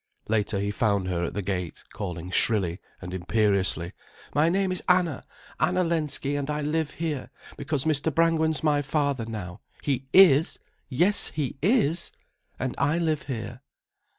Later he found her at the gate calling shrilly and imperiously: "My name is Anna, Anna Lensky, and I live here, because Mr. Brangwen's my father now. He is, yes he is. And I live here."